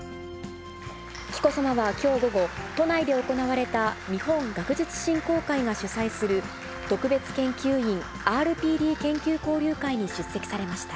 紀子さまはきょう午後、都内で行われた日本学術振興会が主催する特別研究員ーＲＰＤ研究交流会に出席されました。